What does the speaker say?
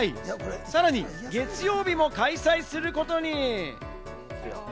さらに月曜日も開催することに。